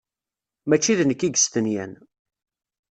Mačči d nekk i yestenyan.